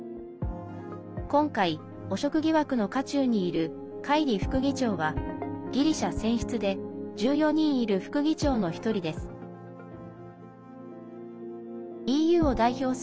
今回、汚職疑惑の渦中にいるカイリ副議長はギリシャ選出で１４人いる副議長の１人です。